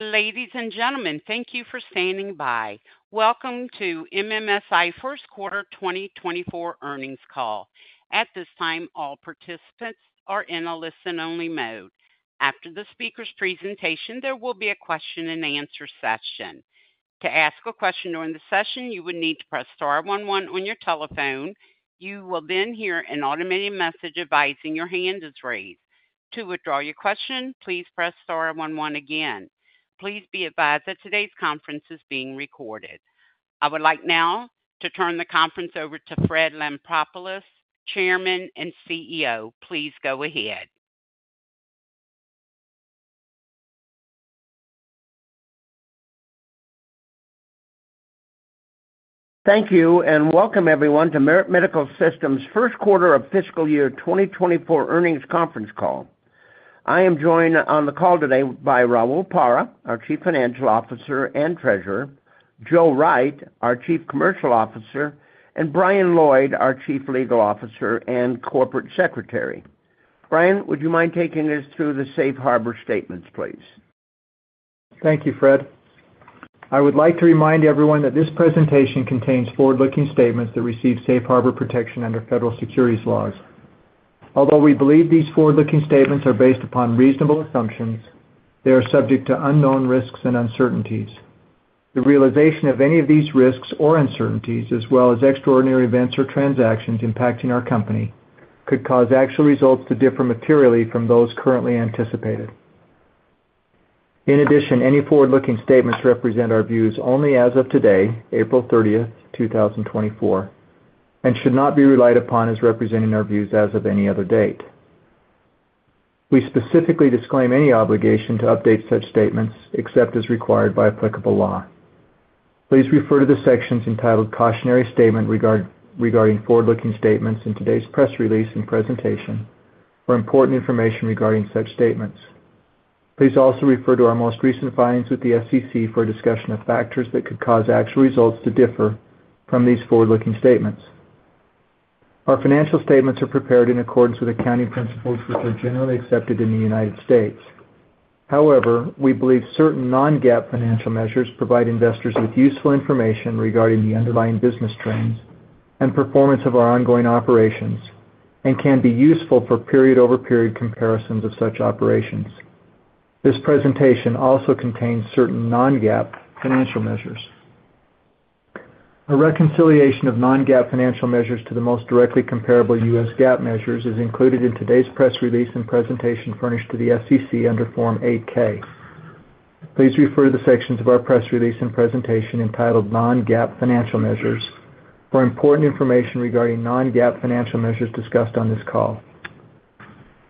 Ladies and gentlemen, thank you for standing by. Welcome to MMSI First Quarter 2024 earnings call. At this time, all participants are in a listen-only mode. After the speaker's presentation, there will be a question-and-answer session. To ask a question during the session, you would need to press star one one on your telephone. You will then hear an automated message advising your hand is raised. To withdraw your question, please press star one one again. Please be advised that today's conference is being recorded. I would like now to turn the conference over to Fred Lampropoulos, Chairman and CEO. Please go ahead. Thank you, and welcome everyone to Merit Medical Systems First Quarter of Fiscal Year 2024 earnings conference call. I am joined on the call today by Raul Parra, our Chief Financial Officer and Treasurer, Joe Wright, our Chief Commercial Officer, and Brian Lloyd, our Chief Legal Officer and Corporate Secretary. Brian, would you mind taking us through the Safe Harbor statements, please? Thank you, Fred. I would like to remind everyone that this presentation contains forward-looking statements that receive Safe Harbor protection under federal securities laws. Although we believe these forward-looking statements are based upon reasonable assumptions, they are subject to unknown risks and uncertainties. The realization of any of these risks or uncertainties, as well as extraordinary events or transactions impacting our company, could cause actual results to differ materially from those currently anticipated. In addition, any forward-looking statements represent our views only as of today, April 30th, 2024, and should not be relied upon as representing our views as of any other date. We specifically disclaim any obligation to update such statements except as required by applicable law. Please refer to the sections entitled "Cautionary Statement" regarding forward-looking statements in today's press release and presentation for important information regarding such statements. Please also refer to our most recent filings with the SEC for a discussion of factors that could cause actual results to differ from these forward-looking statements. Our financial statements are prepared in accordance with accounting principles which are generally accepted in the United States. However, we believe certain non-GAAP financial measures provide investors with useful information regarding the underlying business trends and performance of our ongoing operations and can be useful for period-over-period comparisons of such operations. This presentation also contains certain non-GAAP financial measures. A reconciliation of non-GAAP financial measures to the most directly comparable U.S. GAAP measures is included in today's press release and presentation furnished to the SEC under Form 8-K. Please refer to the sections of our press release and presentation entitled "Non-GAAP Financial Measures" for important information regarding non-GAAP financial measures discussed on this call.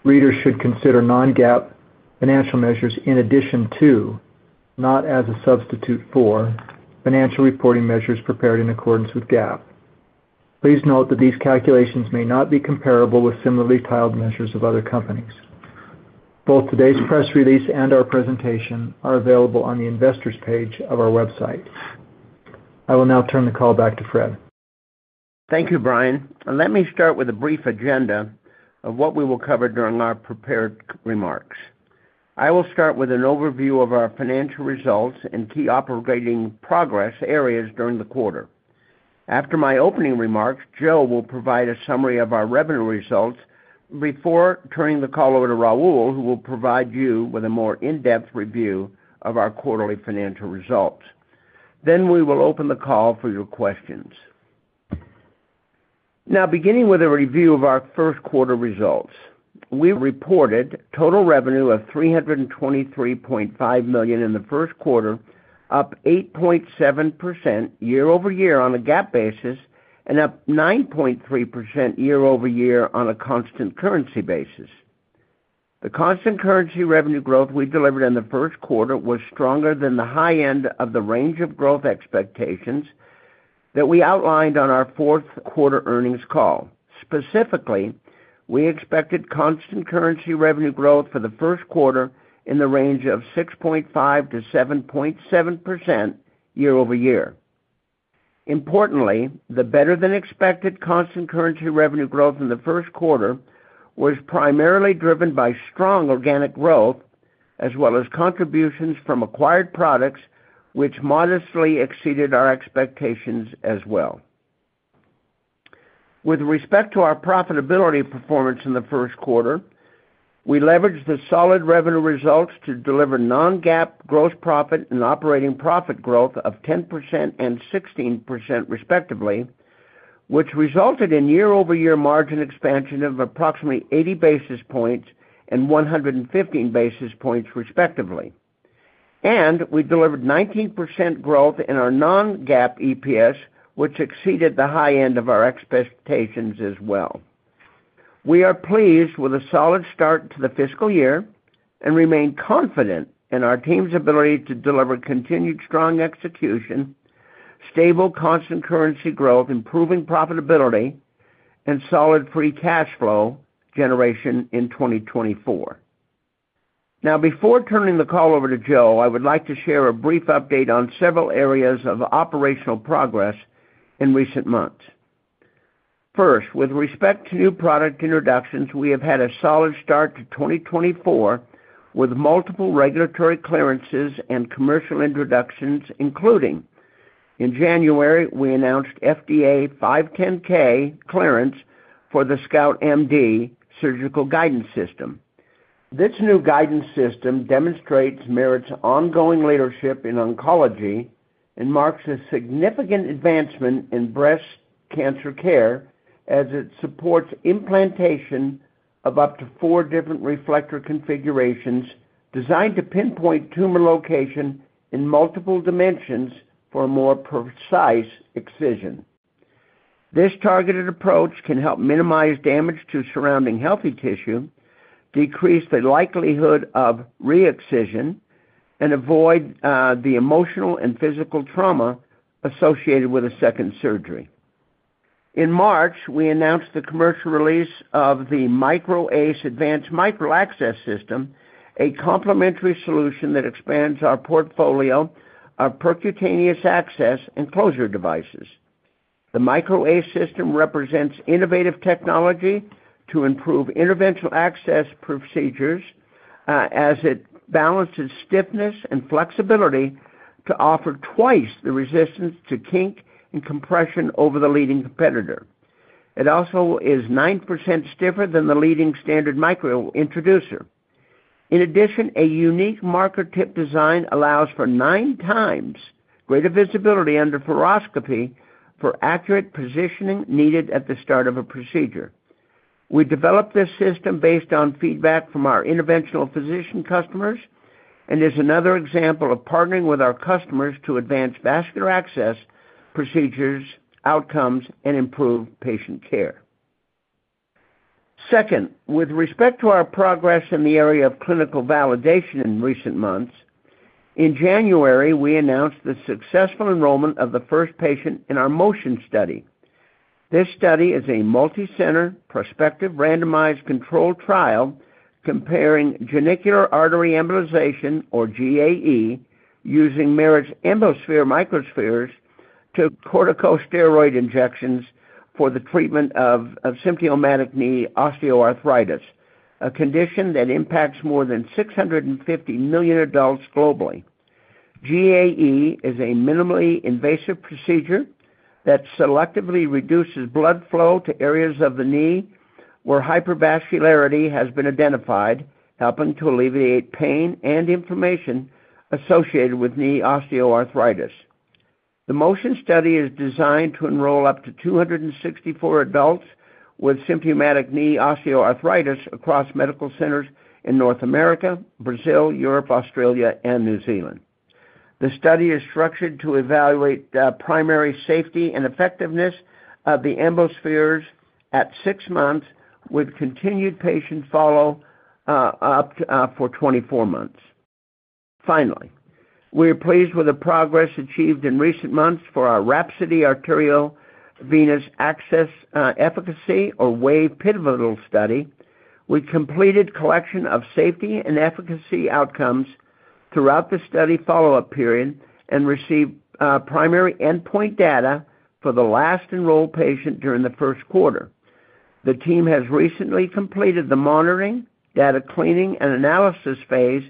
Readers should consider non-GAAP financial measures in addition to, not as a substitute for, financial reporting measures prepared in accordance with GAAP. Please note that these calculations may not be comparable with similarly titled measures of other companies. Both today's press release and our presentation are available on the investors' page of our website. I will now turn the call back to Fred. Thank you, Brian. Let me start with a brief agenda of what we will cover during our prepared remarks. I will start with an overview of our financial results and key operating progress areas during the quarter. After my opening remarks, Joe will provide a summary of our revenue results before turning the call over to Raul, who will provide you with a more in-depth review of our quarterly financial results. Then we will open the call for your questions. Now, beginning with a review of our first quarter results, we reported total revenue of $323.5 million in the first quarter, up 8.7% year-over-year on a GAAP basis and up 9.3% year-over-year on a constant currency basis. The constant currency revenue growth we delivered in the first quarter was stronger than the high end of the range of growth expectations that we outlined on our fourth quarter earnings call. Specifically, we expected constant currency revenue growth for the first quarter in the range of 6.5%-7.7% year-over-year. Importantly, the better-than-expected constant currency revenue growth in the first quarter was primarily driven by strong organic growth as well as contributions from acquired products which modestly exceeded our expectations as well. With respect to our profitability performance in the first quarter, we leveraged the solid revenue results to deliver non-GAAP gross profit and operating profit growth of 10% and 16% respectively, which resulted in year-over-year margin expansion of approximately 80 basis points and 115 basis points respectively. We delivered 19% growth in our non-GAAP EPS, which exceeded the high end of our expectations as well. We are pleased with a solid start to the fiscal year and remain confident in our team's ability to deliver continued strong execution, stable constant currency growth improving profitability, and solid free cash flow generation in 2024. Now, before turning the call over to Joe, I would like to share a brief update on several areas of operational progress in recent months. First, with respect to new product introductions, we have had a solid start to 2024 with multiple regulatory clearances and commercial introductions including, in January, we announced FDA 510(k) clearance for the SCOUT MD Surgical Guidance System. This new guidance system demonstrates Merit's ongoing leadership in oncology and marks a significant advancement in breast cancer care as it supports implantation of up to four different reflector configurations designed to pinpoint tumor location in multiple dimensions for a more precise excision. This targeted approach can help minimize damage to surrounding healthy tissue, decrease the likelihood of re-excision, and avoid the emotional and physical trauma associated with a second surgery. In March, we announced the commercial release of the Micro ACE advanced micro-access system, a complementary solution that expands our portfolio, our percutaneous access, and closure devices. The Micro ACE System represents innovative technology to improve interventional access procedures as it balances stiffness and flexibility to offer twice the resistance to kink and compression over the leading competitor. It also is 9% stiffer than the leading standard micro introducer. In addition, a unique marker tip design allows for 9x greater visibility under fluoroscopy for accurate positioning needed at the start of a procedure. We developed this system based on feedback from our interventional physician customers and is another example of partnering with our customers to advance vascular access procedures outcomes and improve patient care. Second, with respect to our progress in the area of clinical validation in recent months, in January we announced the successful enrollment of the first patient in our MOTION Study. This study is a multi-center prospective randomized controlled trial comparing genicular artery embolization, or GAE, using Merit's Embosphere Microspheres to corticosteroid injections for the treatment of symptomatic knee osteoarthritis, a condition that impacts more than 650 million adults globally. GAE is a minimally invasive procedure that selectively reduces blood flow to areas of the knee where hypervascularity has been identified, helping to alleviate pain and inflammation associated with knee osteoarthritis. The MOTION Study is designed to enroll up to 264 adults with symptomatic knee osteoarthritis across medical centers in North America, Brazil, Europe, Australia, and New Zealand. The study is structured to evaluate primary safety and effectiveness of the Embosphere microspheres at six months with continued patient follow-up for 24 months. Finally, we are pleased with the progress achieved in recent months for our WRAPSODY Arteriovenous Access Efficacy, or WAVE, pivotal study. We completed collection of safety and efficacy outcomes throughout the study follow-up period and received primary endpoint data for the last enrolled patient during the first quarter. The team has recently completed the monitoring, data cleaning, and analysis phase,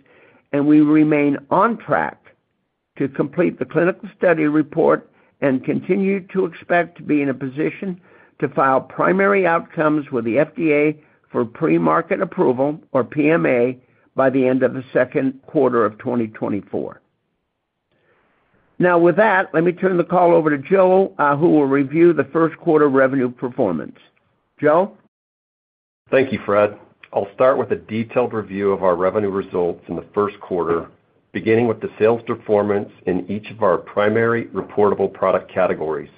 and we remain on track to complete the clinical study report and continue to expect to be in a position to file primary outcomes with the FDA for pre-market approval, or PMA, by the end of the second quarter of 2024. Now, with that, let me turn the call over to Joe, who will review the first quarter revenue performance. Joe? Thank you, Fred. I'll start with a detailed review of our revenue results in the first quarter, beginning with the sales performance in each of our primary reportable product categories.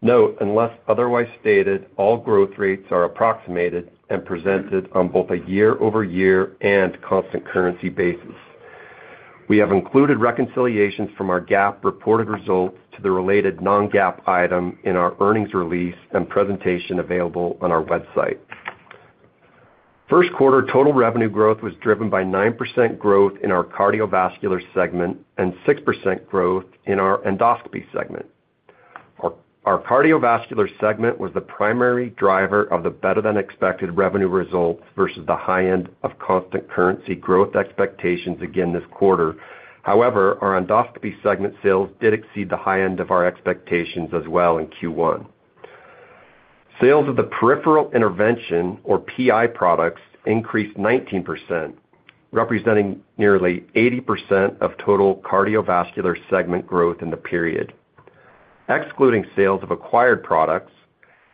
Note, unless otherwise stated, all growth rates are approximated and presented on both a year-over-year and constant currency basis. We have included reconciliations from our GAAP reported results to the related non-GAAP item in our earnings release and presentation available on our website. First quarter total revenue growth was driven by 9% growth in our cardiovascular segment and 6% growth in our endoscopy segment. Our cardiovascular segment was the primary driver of the better-than-expected revenue results versus the high end of constant currency growth expectations again this quarter. However, our endoscopy segment sales did exceed the high end of our expectations as well in Q1. Sales of the peripheral intervention, or PI, products increased 19%, representing nearly 80% of total cardiovascular segment growth in the period. Excluding sales of acquired products,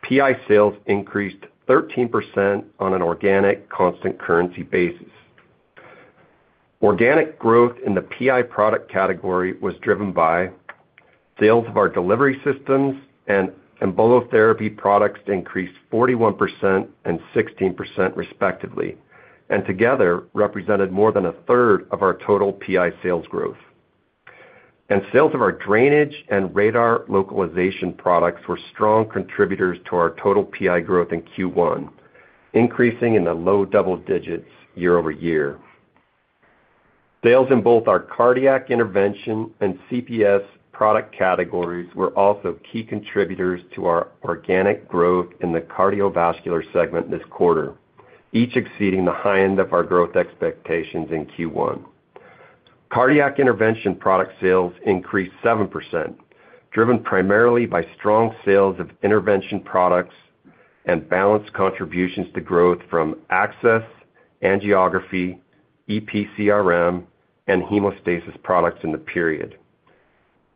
PI sales increased 13% on an organic constant currency basis. Organic growth in the PI product category was driven by sales of our delivery systems, and embolotherapy products increased 41% and 16% respectively, and together represented more than 1/3 of our total PI sales growth. Sales of our drainage and radar localization products were strong contributors to our total PI growth in Q1, increasing in the low double digits year-over-year. Sales in both our cardiac intervention and CPS product categories were also key contributors to our organic growth in the cardiovascular segment this quarter, each exceeding the high end of our growth expectations in Q1. Cardiac intervention product sales increased 7%, driven primarily by strong sales of intervention products and balanced contributions to growth from access, angiography, EP/CRM, and hemostasis products in the period.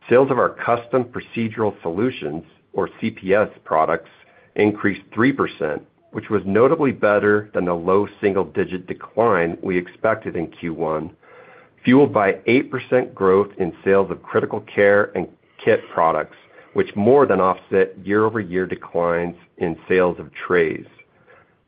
Sales of our custom procedural solutions, or CPS, products increased 3%, which was notably better than the low single-digit decline we expected in Q1, fueled by 8% growth in sales of critical care and kit products, which more than offset year-over-year declines in sales of trays.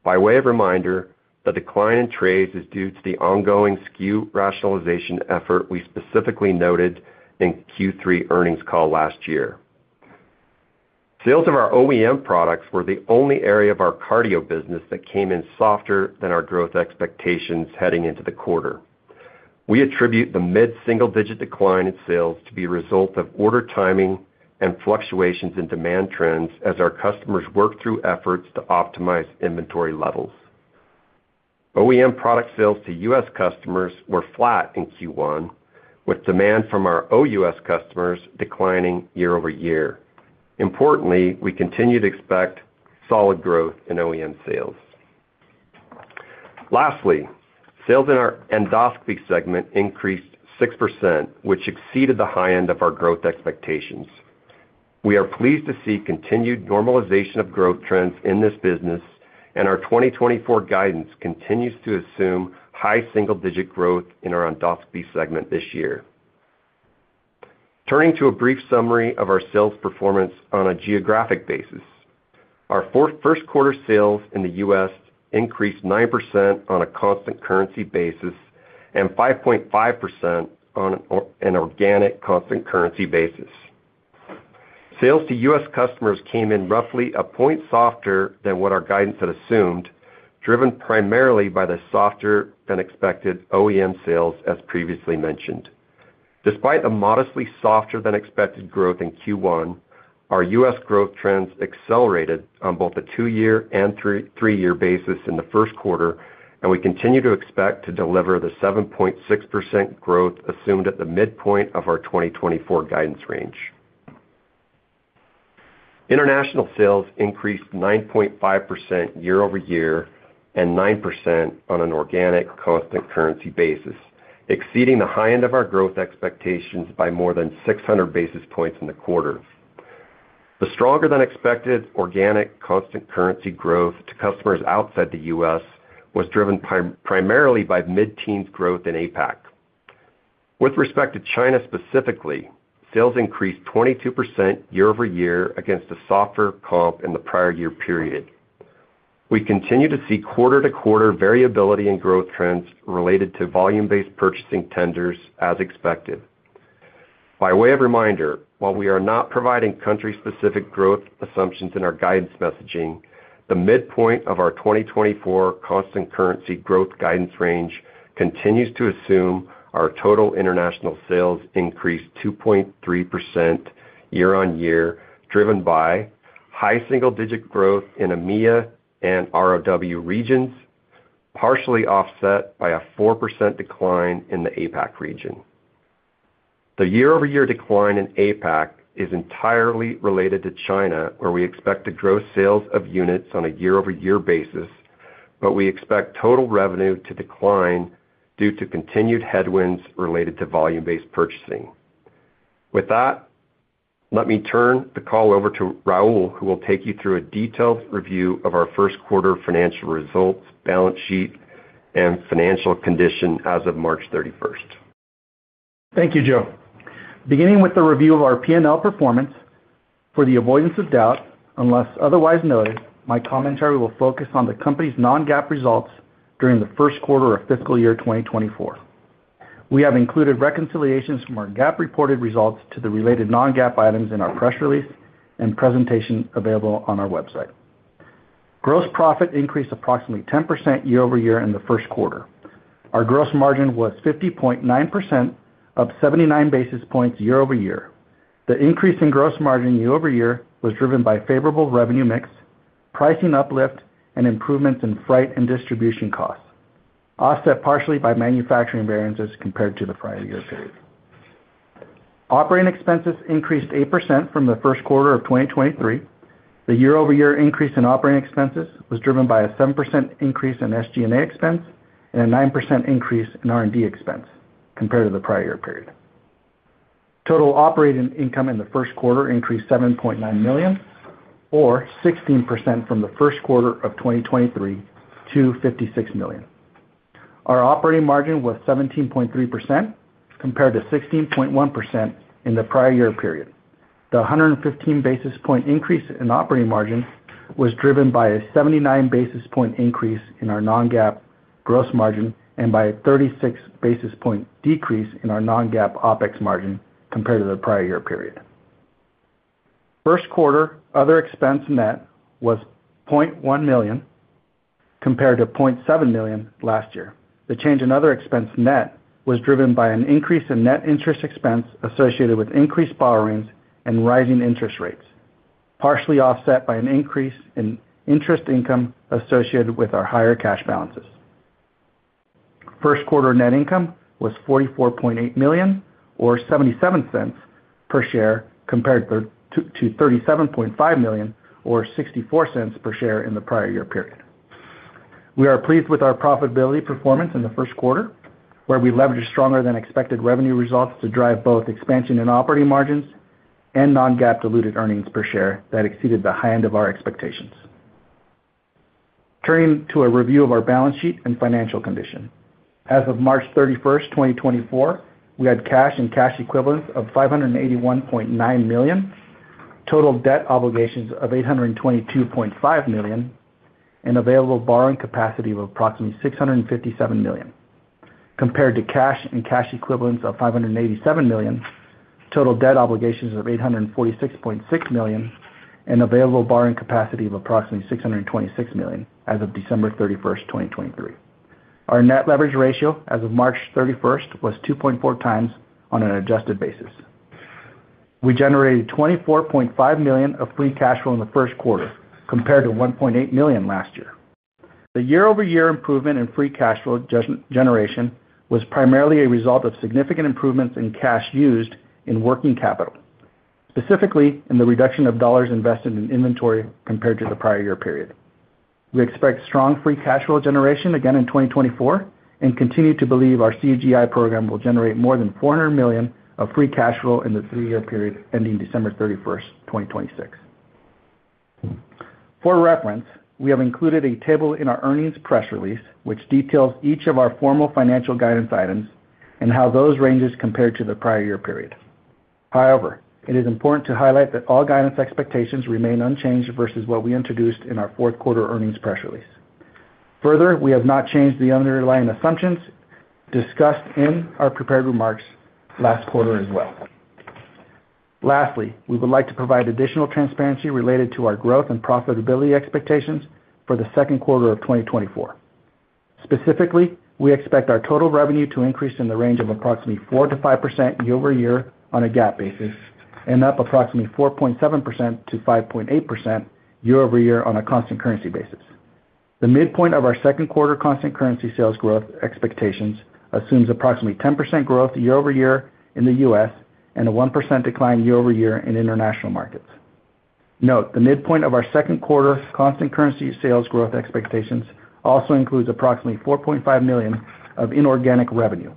By way of reminder, the decline in trays is due to the ongoing SKU rationalization effort we specifically noted in Q3 earnings call last year. Sales of our OEM products were the only area of our cardio business that came in softer than our growth expectations heading into the quarter. We attribute the mid-single-digit decline in sales to be a result of order timing and fluctuations in demand trends as our customers work through efforts to optimize inventory levels. OEM product sales to U.S. customers were flat in Q1, with demand from our OUS customers declining year-over-year. Importantly, we continue to expect solid growth in OEM sales. Lastly, sales in our endoscopy segment increased 6%, which exceeded the high end of our growth expectations. We are pleased to see continued normalization of growth trends in this business, and our 2024 guidance continues to assume high single-digit growth in our endoscopy segment this year. Turning to a brief summary of our sales performance on a geographic basis, our first quarter sales in the U.S. increased 9% on a constant currency basis and 5.5% on an organic constant currency basis. Sales to U.S. customers came in roughly a point softer than what our guidance had assumed, driven primarily by the softer-than-expected OEM sales, as previously mentioned. Despite the modestly softer-than-expected growth in Q1, our U.S. growth trends accelerated on both a two-year and three-year basis in the first quarter, and we continue to expect to deliver the 7.6% growth assumed at the midpoint of our 2024 guidance range. International sales increased 9.5% year-over-year and 9% on an organic constant currency basis, exceeding the high end of our growth expectations by more than 600 basis points in the quarter. The stronger-than-expected organic constant currency growth to customers outside the U.S. was driven primarily by mid-teens growth in APAC. With respect to China specifically, sales increased 22% year-over-year against a softer comp in the prior year period. We continue to see quarter-to-quarter variability in growth trends related to volume-based purchasing tenders as expected. By way of reminder, while we are not providing country-specific growth assumptions in our guidance messaging, the midpoint of our 2024 constant currency growth guidance range continues to assume our total international sales increased 2.3% year-over-year, driven by high single-digit growth in EMEA and ROW regions, partially offset by a 4% decline in the APAC region. The year-over-year decline in APAC is entirely related to China, where we expect to grow sales of units on a year-over-year basis, but we expect total revenue to decline due to continued headwinds related to volume-based purchasing. With that, let me turn the call over to Raul, who will take you through a detailed review of our first quarter financial results, balance sheet, and financial condition as of March 31st. Thank you, Joe. Beginning with the review of our P&L performance, for the avoidance of doubt unless otherwise noted, my commentary will focus on the company's non-GAAP results during the first quarter of fiscal year 2024. We have included reconciliations from our GAAP reported results to the related non-GAAP items in our press release and presentation available on our website. Gross profit increased approximately 10% year-over-year in the first quarter. Our gross margin was 50.9%, up 79 basis points year-over-year. The increase in gross margin year-over-year was driven by favorable revenue mix, pricing uplift, and improvements in freight and distribution costs, offset partially by manufacturing variances compared to the prior year period. Operating expenses increased 8% from the first quarter of 2023. The year-over-year increase in operating expenses was driven by a 7% increase in SG&A expense and a 9% increase in R&D expense compared to the prior year period. Total operating income in the first quarter increased $7.9 million, or 16% from the first quarter of 2023 to $56 million. Our operating margin was 17.3% compared to 16.1% in the prior year period. The 115 basis point increase in operating margin was driven by a 79 basis point increase in our non-GAAP gross margin and by a 36 basis point decrease in our non-GAAP OpEx margin compared to the prior year period. First quarter other expense net was $0.1 million compared to $0.7 million last year. The change in other expense net was driven by an increase in net interest expense associated with increased borrowings and rising interest rates, partially offset by an increase in interest income associated with our higher cash balances. First quarter net income was $44.8 million, or $0.77 per share, compared to $37.5 million, or $0.64 per share in the prior year period. We are pleased with our profitability performance in the first quarter, where we leveraged stronger-than-expected revenue results to drive both expansion in operating margins and non-GAAP diluted earnings per share that exceeded the high end of our expectations. Turning to a review of our balance sheet and financial condition. As of March 31st, 2024, we had cash and cash equivalents of $581.9 million, total debt obligations of $822.5 million, and available borrowing capacity of approximately $657 million. Compared to cash and cash equivalents of $587 million, total debt obligations of $846.6 million, and available borrowing capacity of approximately $626 million as of December 31st, 2023. Our net leverage ratio as of March 31st was 2.4x on an adjusted basis. We generated $24.5 million of free cash flow in the first quarter compared to $1.8 million last year. The year-over-year improvement in free cash flow generation was primarily a result of significant improvements in cash used in working capital, specifically in the reduction of dollars invested in inventory compared to the prior year period. We expect strong free cash flow generation again in 2024 and continue to believe our CGI program will generate more than $400 million of free cash flow in the three-year period ending December 31st, 2026. For reference, we have included a table in our earnings press release, which details each of our formal financial guidance items and how those ranges compared to the prior year period. However, it is important to highlight that all guidance expectations remain unchanged versus what we introduced in our fourth quarter earnings press release. Further, we have not changed the underlying assumptions discussed in our prepared remarks last quarter as well. Lastly, we would like to provide additional transparency related to our growth and profitability expectations for the second quarter of 2024. Specifically, we expect our total revenue to increase in the range of approximately 4%-5% year-over-year on a GAAP basis and up approximately 4.7%-5.8% year-over-year on a constant currency basis. The midpoint of our second quarter constant currency sales growth expectations assumes approximately 10% growth year-over-year in the U.S. and a 1% decline year-over-year in international markets. Note, the midpoint of our second quarter constant currency sales growth expectations also includes approximately $4.5 million of inorganic revenue.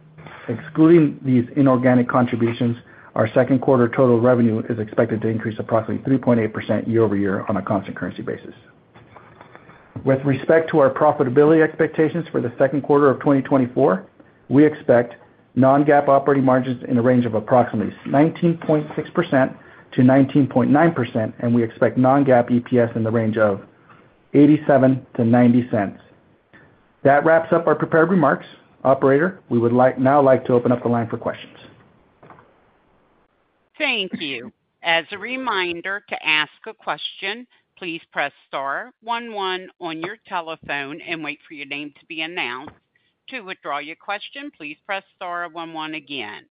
Excluding these inorganic contributions, our second quarter total revenue is expected to increase approximately 3.8% year-over-year on a constant currency basis. With respect to our profitability expectations for the second quarter of 2024, we expect non-GAAP operating margins in the range of approximately 19.6%-19.9%, and we expect non-GAAP EPS in the range of $0.87-$0.90. That wraps up our prepared remarks. Operator, we would now like to open up the line for questions. Thank you. As a reminder, to ask a question, please press star one one on your telephone and wait for your name to be announced. To withdraw your question, please press star one one again.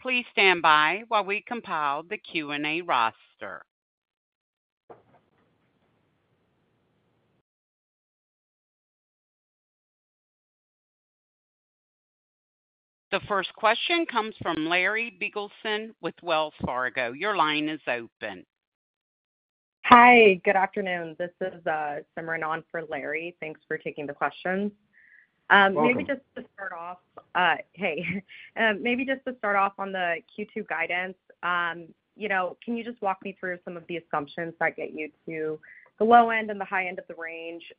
Please stand by while we compile the Q&A roster. The first question comes from Larry Biegelsen with Wells Fargo. Your line is open. Hi. Good afternoon. This is Simran on for Larry. Thanks for taking the questions. Maybe just to start off on the Q2 guidance, can you just walk me through some of the assumptions that get you to the low end and the high end of the range?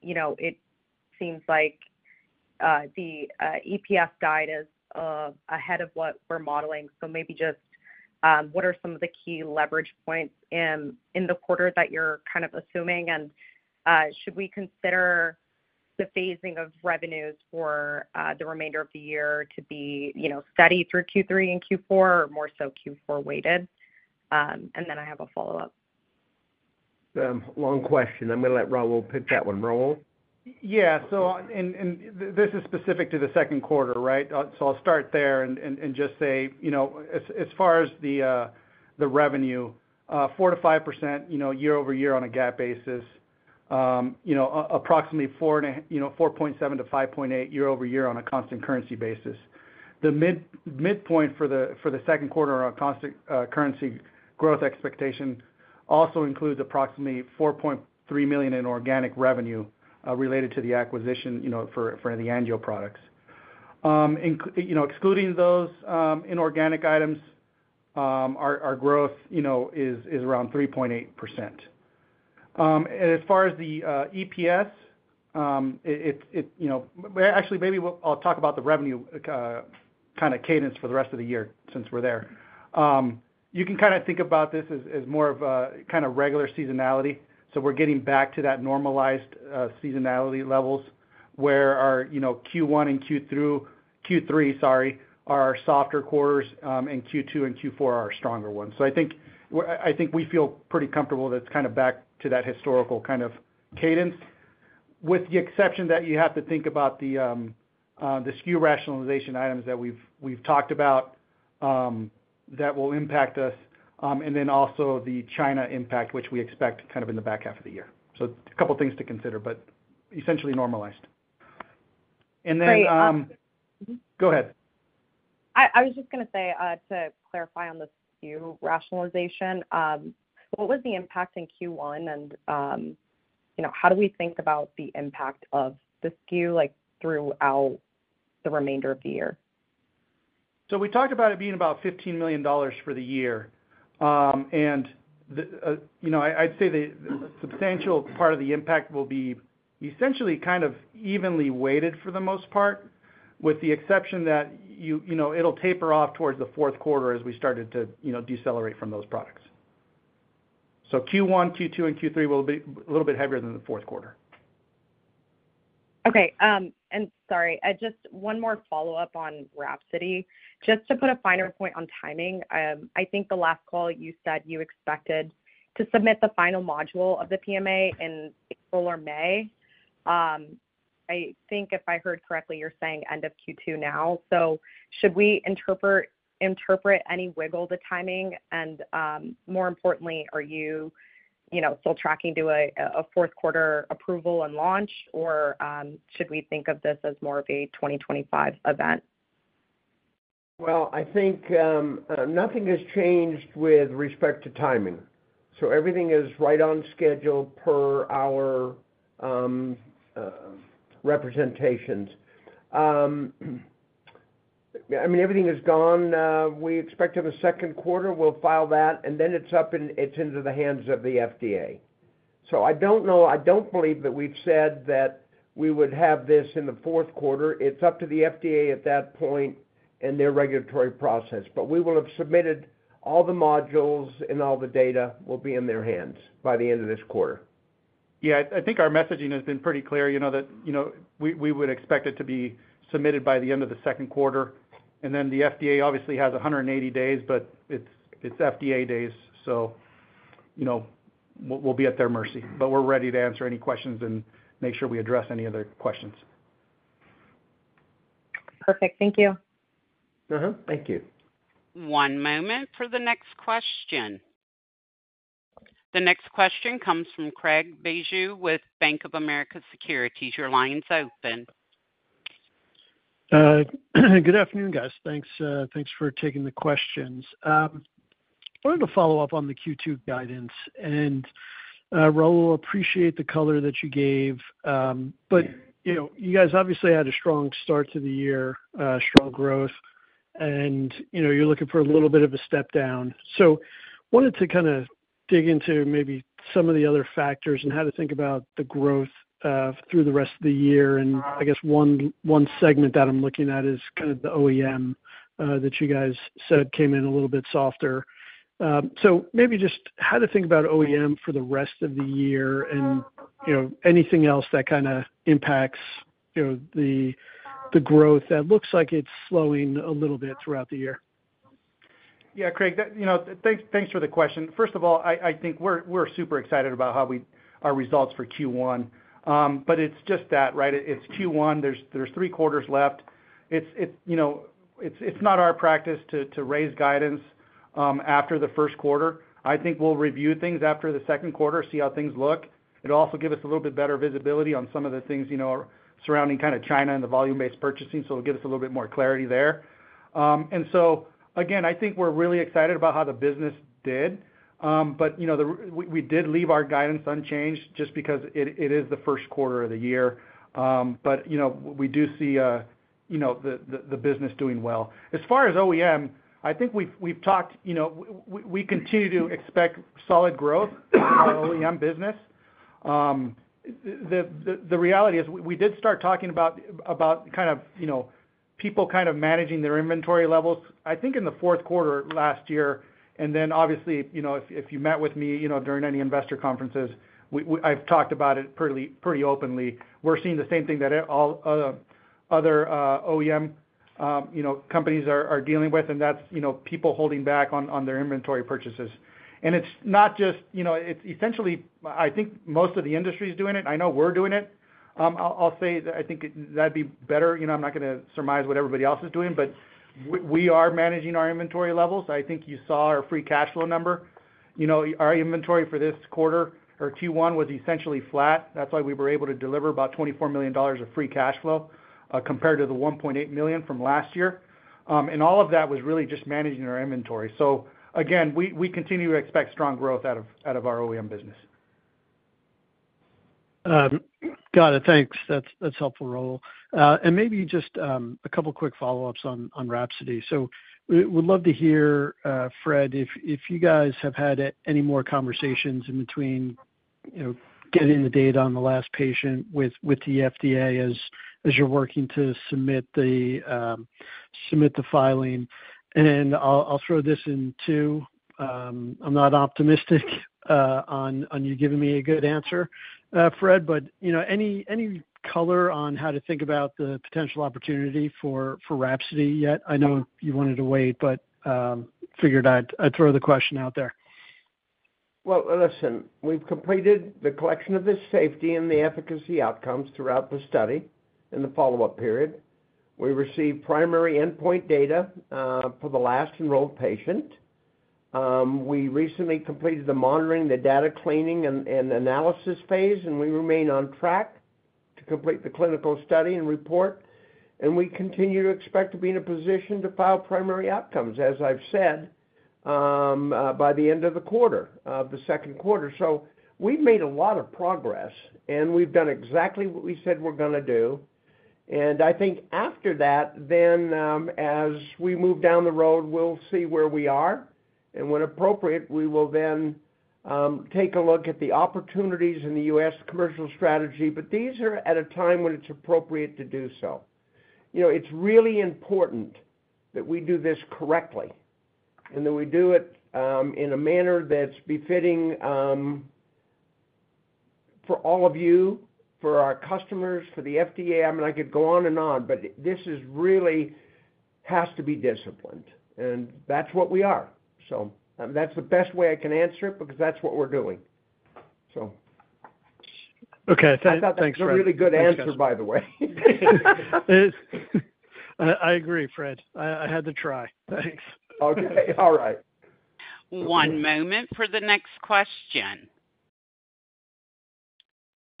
It seems like the EPS guide is ahead of what we're modeling. So maybe just what are some of the key leverage points in the quarter that you're kind of assuming? And should we consider the phasing of revenues for the remainder of the year to be steady through Q3 and Q4 or more so Q4-weighted? And then I have a follow-up. Long question. I'm going to let Raul pick that one. Raul? Yeah. And this is specific to the second quarter, right? So I'll start there and just say, as far as the revenue, 4%-5% year-over-year on a GAAP basis, approximately 4.7%-5.8% year-over-year on a constant currency basis. The midpoint for the second quarter on a constant currency growth expectation also includes approximately $4.3 million in organic revenue related to the acquisition for the Angio products. Excluding those inorganic items, our growth is around 3.8%. And as far as the EPS, actually, maybe I'll talk about the revenue kind of cadence for the rest of the year since we're there. You can kind of think about this as more of kind of regular seasonality. So we're getting back to that normalized seasonality levels where our Q1 and Q3, sorry, are our softer quarters, and Q2 and Q4 are our stronger ones. So I think we feel pretty comfortable that it's kind of back to that historical kind of cadence, with the exception that you have to think about the SKU rationalization items that we've talked about that will impact us, and then also the China impact, which we expect kind of in the back half of the year. So a couple of things to consider, but essentially normalized. And then. Great. Go ahead. I was just going to say, to clarify on the SKU rationalization, what was the impact in Q1, and how do we think about the impact of the SKU throughout the remainder of the year? So we talked about it being about $15 million for the year. And I'd say a substantial part of the impact will be essentially kind of evenly weighted for the most part, with the exception that it'll taper off towards the fourth quarter as we started to decelerate from those products. So Q1, Q2, and Q3 will be a little bit heavier than the fourth quarter. Okay. And sorry, just one more follow-up on WRAPSODY. Just to put a finer point on timing, I think the last call, you said you expected to submit the final module of the PMA in April or May. I think if I heard correctly, you're saying end of Q2 now. So should we interpret any wiggle to timing? And more importantly, are you still tracking to a fourth quarter approval and launch, or should we think of this as more of a 2025 event? Well, I think nothing has changed with respect to timing. Everything is right on schedule per our representations. I mean, everything has gone. We expect in the second quarter, we'll file that, and then it's up and it's into the hands of the FDA. I don't know. I don't believe that we've said that we would have this in the fourth quarter. It's up to the FDA at that point and their regulatory process. We will have submitted all the modules, and all the data will be in their hands by the end of this quarter. Yeah. I think our messaging has been pretty clear that we would expect it to be submitted by the end of the second quarter. And then the FDA obviously has 180 days, but it's FDA days, so we'll be at their mercy. But we're ready to answer any questions and make sure we address any other questions. Perfect. Thank you. Thank you. One moment for the next question. The next question comes from Craig Bijou with Bank of America Securities. Your line's open. Good afternoon, guys. Thanks for taking the questions. I wanted to follow up on the Q2 guidance. And Raul, I appreciate the color that you gave. But you guys obviously had a strong start to the year, strong growth, and you're looking for a little bit of a step down. So I wanted to kind of dig into maybe some of the other factors and how to think about the growth through the rest of the year. And I guess one segment that I'm looking at is kind of the OEM that you guys said came in a little bit softer. So maybe just how to think about OEM for the rest of the year and anything else that kind of impacts the growth that looks like it's slowing a little bit throughout the year. Yeah, Craig, thanks for the question. First of all, I think we're super excited about our results for Q1. But it's just that, right? It's Q1. There's three quarters left. It's not our practice to raise guidance after the first quarter. I think we'll review things after the second quarter, see how things look. It'll also give us a little bit better visibility on some of the things surrounding kind of China and the Volume-Based Purchasing. So it'll give us a little bit more clarity there. And so again, I think we're really excited about how the business did. But we did leave our guidance unchanged just because it is the first quarter of the year. But we do see the business doing well. As far as OEM, I think we've talked, we continue to expect solid growth in our OEM business. The reality is we did start talking about kind of people kind of managing their inventory levels, I think, in the fourth quarter last year. Then obviously, if you met with me during any investor conferences, I've talked about it pretty openly. We're seeing the same thing that other OEM companies are dealing with, and that's people holding back on their inventory purchases. It's not just it's essentially, I think, most of the industry is doing it. I know we're doing it. I'll say that I think that'd be better. I'm not going to surmise what everybody else is doing. But we are managing our inventory levels. I think you saw our free cash flow number. Our inventory for this quarter or Q1 was essentially flat. That's why we were able to deliver about $24 million of free cash flow compared to the $1.8 million from last year. All of that was really just managing our inventory. Again, we continue to expect strong growth out of our OEM business. Got it. Thanks. That's helpful, Raul. Maybe just a couple of quick follow-ups on WRAPSODY. We would love to hear, Fred, if you guys have had any more conversations in between getting the data on the last patient with the FDA as you're working to submit the filing. I'll throw this in too. I'm not optimistic on you giving me a good answer, Fred, but any color on how to think about the potential opportunity for WRAPSODY yet? I know you wanted to wait, but figured I'd throw the question out there. Well, listen, we've completed the collection of the safety and the efficacy outcomes throughout the study in the follow-up period. We received primary endpoint data for the last enrolled patient. We recently completed the monitoring, the data cleaning, and analysis phase, and we remain on track to complete the clinical study and report. And we continue to expect to be in a position to file primary outcomes, as I've said, by the end of the quarter of the second quarter. So we've made a lot of progress, and we've done exactly what we said we're going to do. And I think after that, then as we move down the road, we'll see where we are. And when appropriate, we will then take a look at the opportunities in the U.S. commercial strategy. But these are at a time when it's appropriate to do so. It's really important that we do this correctly and that we do it in a manner that's befitting for all of you, for our customers, for the FDA. I mean, I could go on and on, but this really has to be disciplined. And that's what we are. So that's the best way I can answer it because that's what we're doing, so. Okay. Thanks, Fred. That's a really good answer, by the way. I agree, Fred. I had to try. Thanks. Okay. All right. One moment for the next question.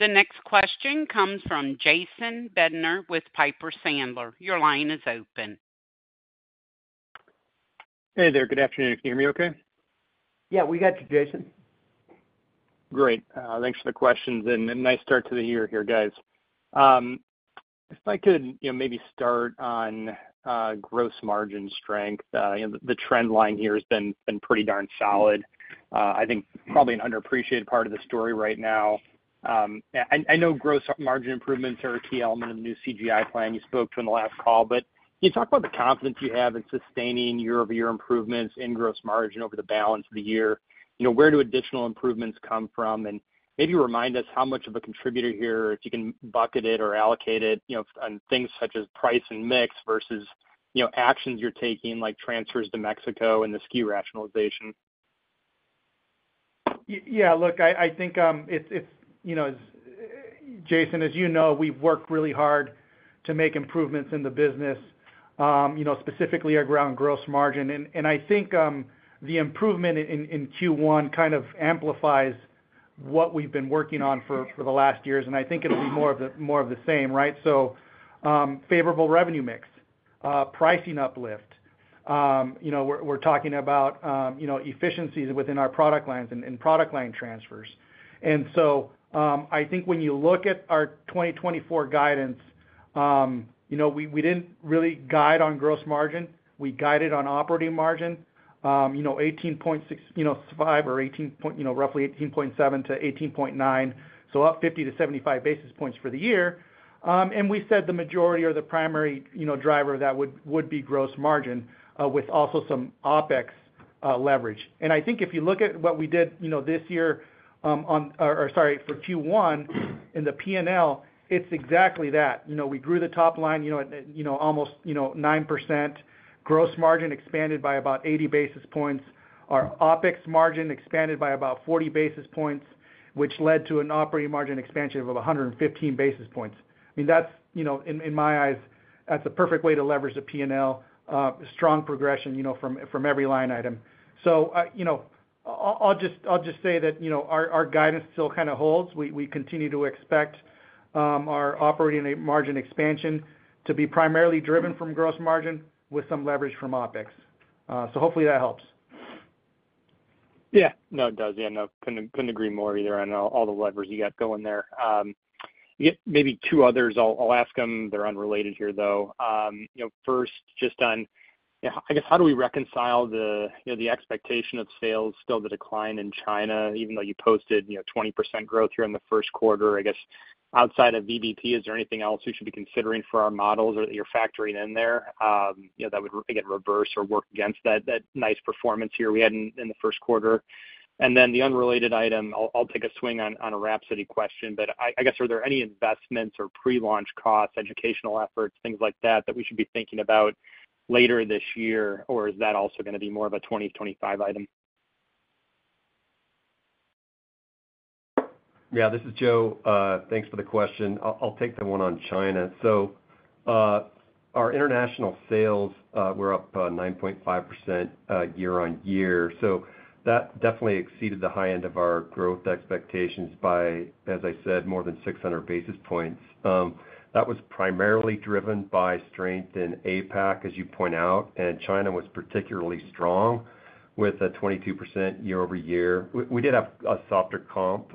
The next question comes from Jason Bednar with Piper Sandler. Your line is open. Hey there. Good afternoon. Can you hear me okay? Yeah. We got you, Jason. Great. Thanks for the questions, and nice start to the year here, guys. If I could maybe start on gross margin strength, the trend line here has been pretty darn solid. I think probably an underappreciated part of the story right now. I know gross margin improvements are a key element of the new CGI plan you spoke to in the last call. But can you talk about the confidence you have in sustaining year-over-year improvements in gross margin over the balance of the year? Where do additional improvements come from? And maybe remind us how much of a contributor here, if you can bucket it or allocate it, on things such as price and mix versus actions you're taking like transfers to Mexico and the SKU rationalization. Yeah. Look, I think it's Jason, as you know, we've worked really hard to make improvements in the business, specifically around gross margin. I think the improvement in Q1 kind of amplifies what we've been working on for the last years. And I think it'll be more of the same, right? So favorable revenue mix, pricing uplift. We're talking about efficiencies within our product lines and product line transfers. And so I think when you look at our 2024 guidance, we didn't really guide on gross margin. We guided on operating margin, 18.5% or roughly 18.7%-18.9%, so up 50-75 basis points for the year. And we said the majority or the primary driver of that would be gross margin with also some OpEx leverage. And I think if you look at what we did this year or sorry, for Q1 in the P&L, it's exactly that. We grew the top line almost 9%, gross margin expanded by about 80 basis points, our OpEx margin expanded by about 40 basis points, which led to an operating margin expansion of 115 basis points. I mean, in my eyes, that's a perfect way to leverage the P&L, strong progression from every line item. So I'll just say that our guidance still kind of holds. We continue to expect our operating margin expansion to be primarily driven from gross margin with some leverage from OpEx. So hopefully, that helps. Yeah. No, it does. Yeah. No, couldn't agree more either on all the levers you got going there. Maybe two others. I'll ask them. They're unrelated here, though. First, just on, I guess, how do we reconcile the expectation of sales, still the decline in China, even though you posted 20% growth here in the first quarter? I guess outside of VBP, is there anything else we should be considering for our models or that you're factoring in there that would, again, reverse or work against that nice performance here we had in the first quarter? And then the unrelated item, I'll take a swing on a WRAPSODY question, but I guess are there any investments or pre-launch costs, educational efforts, things like that that we should be thinking about later this year, or is that also going to be more of a 2025 item? Yeah. This is Joe. Thanks for the question. I'll take the one on China. So our international sales, we're up 9.5% year-on-year. So that definitely exceeded the high end of our growth expectations by, as I said, more than 600 basis points. That was primarily driven by strength in APAC, as you point out. And China was particularly strong with a 22% year-over-year. We did have a softer comp,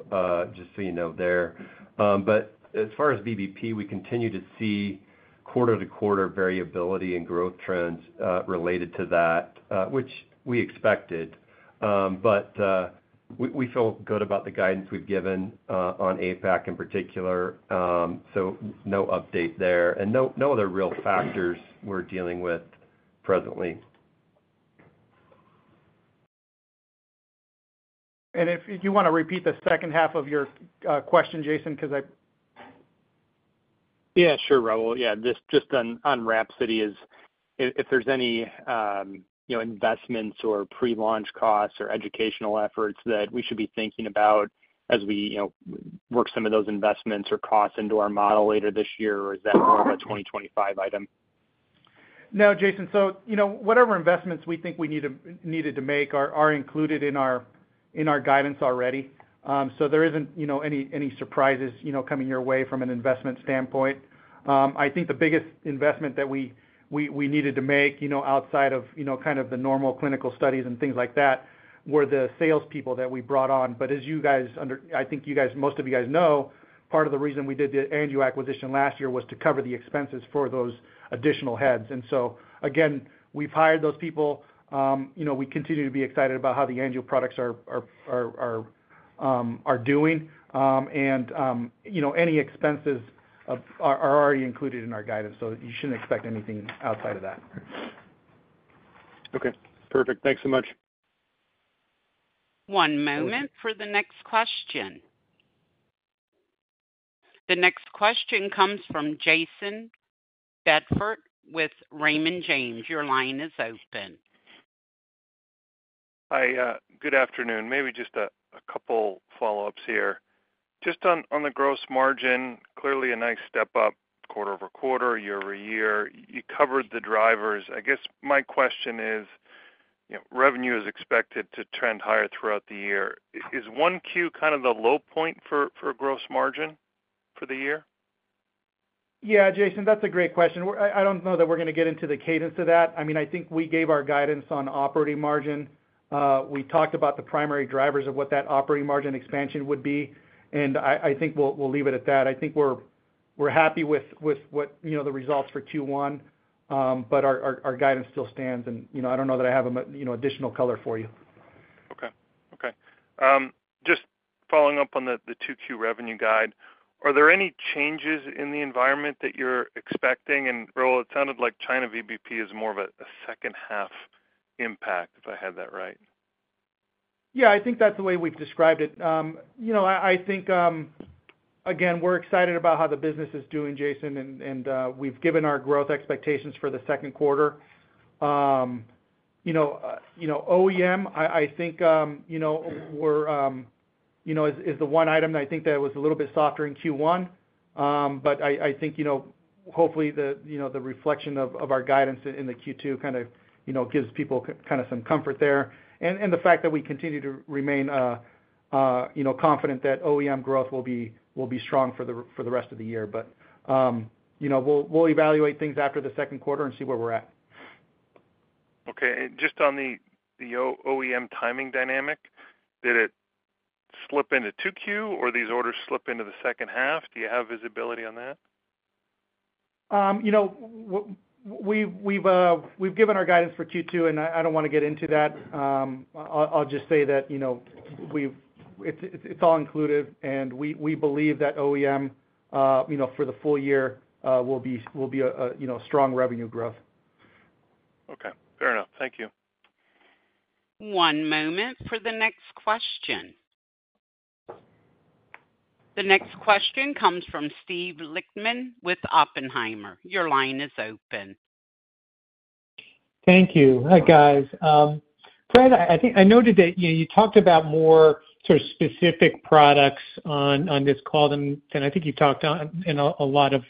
just so you know there. But as far as VBP, we continue to see quarter-to-quarter variability and growth trends related to that, which we expected. But we feel good about the guidance we've given on APAC in particular. So no update there and no other real factors we're dealing with presently. If you want to repeat the second half of your question, Jason, because I. Yeah. Sure, Raul. Yeah. Just on WRAPSODY, if there's any investments or pre-launch costs or educational efforts that we should be thinking about as we work some of those investments or costs into our model later this year, or is that more of a 2025 item? No, Jason. So whatever investments we think we needed to make are included in our guidance already. So there isn't any surprises coming your way from an investment standpoint. I think the biggest investment that we needed to make outside of kind of the normal clinical studies and things like that were the salespeople that we brought on. But as you guys I think most of you guys know, part of the reason we did the Angio acquisition last year was to cover the expenses for those additional heads. And so again, we've hired those people. We continue to be excited about how the Angio products are doing. And any expenses are already included in our guidance, so you shouldn't expect anything outside of that. Okay. Perfect. Thanks so much. One moment for the next question. The next question comes from Jayson Bedford with Raymond James. Your line is open. Hi. Good afternoon. Maybe just a couple follow-ups here. Just on the gross margin, clearly a nice step up quarter-over-quarter, year-over-year. You covered the drivers. I guess my question is, revenue is expected to trend higher throughout the year. Is 1Q kind of the low point for gross margin for the year? Yeah, Jayson. That's a great question. I don't know that we're going to get into the cadence of that. I mean, I think we gave our guidance on operating margin. We talked about the primary drivers of what that operating margin expansion would be, and I think we'll leave it at that. I think we're happy with the results for Q1, but our guidance still stands. And I don't know that I have additional color for you. Okay. Okay. Just following up on the 2Q revenue guide, are there any changes in the environment that you're expecting? Raul, it sounded like China VBP is more of a second-half impact, if I had that right? Yeah. I think that's the way we've described it. I think, again, we're excited about how the business is doing, Jayson, and we've given our growth expectations for the second quarter. OEM, I think, is the one item that I think that was a little bit softer in Q1. But I think hopefully, the reflection of our guidance in the Q2 kind of gives people kind of some comfort there and the fact that we continue to remain confident that OEM growth will be strong for the rest of the year. But we'll evaluate things after the second quarter and see where we're at. Okay. Just on the OEM timing dynamic, did it slip into 2Q, or these orders slip into the second half? Do you have visibility on that? We've given our guidance for Q2, and I don't want to get into that. I'll just say that it's all included, and we believe that OEM for the full year will be a strong revenue growth. Okay. Fair enough. Thank you. One moment for the next question. The next question comes from Steven Lichtman with Oppenheimer. Your line is open. Thank you. Hi, guys. Fred, I noted that you talked about more sort of specific products on this call, and I think you've talked in a lot of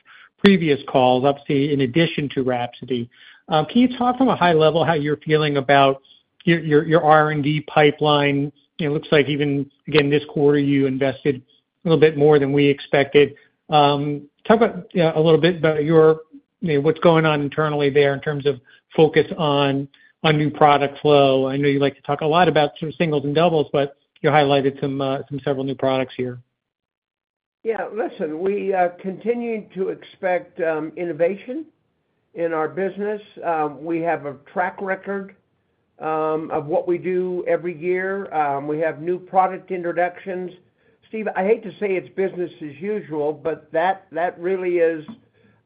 previous calls, obviously, in addition to WRAPSODY. Can you talk from a high level how you're feeling about your R&D pipeline? It looks like even, again, this quarter, you invested a little bit more than we expected. Talk a little bit about what's going on internally there in terms of focus on new product flow. I know you like to talk a lot about sort of singles and doubles, but you highlighted several new products here. Yeah. Listen, we continue to expect innovation in our business. We have a track record of what we do every year. We have new product introductions. Steve, I hate to say it's business as usual, but that really is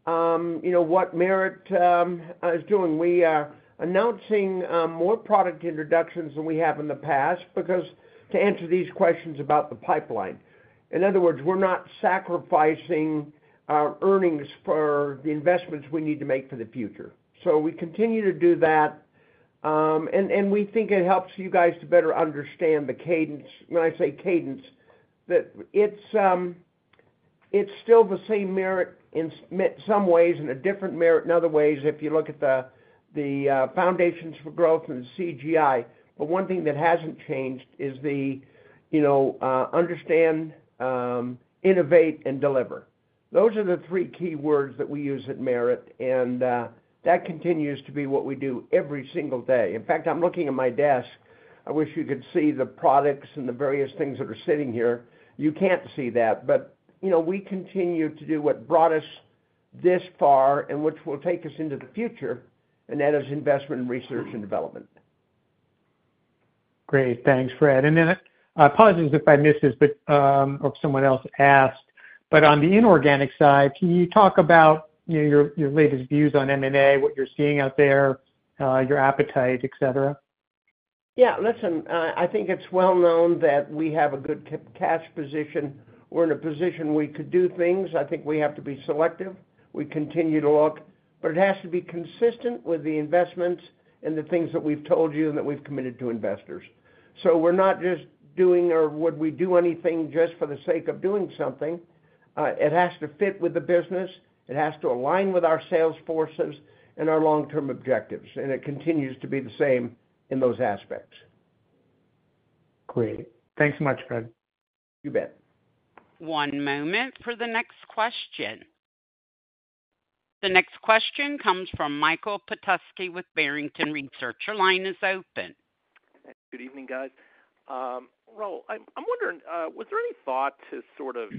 what Merit is doing. We are announcing more product introductions than we have in the past, because to answer these questions about the pipeline. In other words, we're not sacrificing our earnings for the investments we need to make for the future. So we continue to do that. And we think it helps you guys to better understand the cadence. When I say cadence, it's still the same Merit in some ways and a different Merit in other ways if you look at the foundations for growth and the CGI. But one thing that hasn't changed is the understand, innovate, and deliver. Those are the three keywords that we use at Merit, and that continues to be what we do every single day. In fact, I'm looking at my desk. I wish you could see the products and the various things that are sitting here. You can't see that, but we continue to do what brought us this far and which will take us into the future, and that is investment, research, and development. Great. Thanks, Fred. Then apologies if I missed this or if someone else asked. On the inorganic side, can you talk about your latest views on M&A, what you're seeing out there, your appetite, etc.? Yeah. Listen, I think it's well known that we have a good cash position. We're in a position we could do things. I think we have to be selective. We continue to look, but it has to be consistent with the investments and the things that we've told you and that we've committed to investors. So we're not just doing or would we do anything just for the sake of doing something. It has to fit with the business. It has to align with our sales forces and our long-term objectives. And it continues to be the same in those aspects. Great. Thanks so much, Fred. You bet. One moment for the next question. The next question comes from Michael Petusky with Barrington Research. Your line is open. Good evening, guys. Raul, I'm wondering, was there any thought to sort of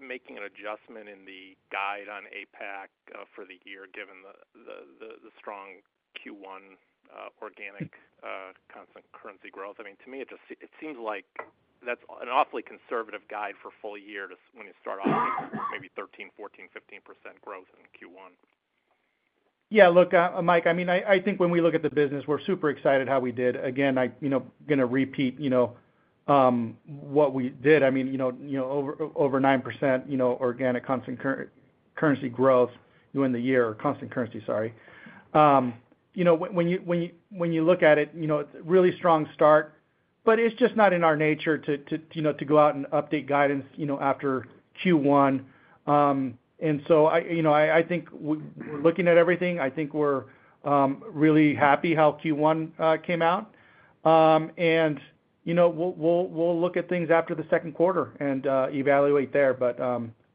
making an adjustment in the guide on APAC for the year given the strong Q1 organic constant currency growth? I mean, to me, it seems like that's an awfully conservative guide for full year when you start off with maybe 13%, 14%, 15% growth in Q1. Yeah. Look, Mike, I mean, I think when we look at the business, we're super excited how we did. Again, I'm going to repeat what we did. I mean, over 9% organic constant currency growth in the year or constant currency, sorry. When you look at it, really strong start, but it's just not in our nature to go out and update guidance after Q1. And so I think we're looking at everything. I think we're really happy how Q1 came out. And we'll look at things after the second quarter and evaluate there, but